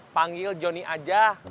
panggil johnny aja